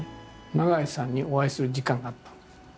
永井さんにお会いする時間があったの。